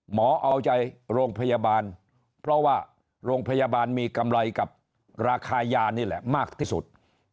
หมอเอาใจโรงพยาบาลเพราะว่าโรงพยาบาลมีกำไรกับราคายานี่แหละมากที่สุด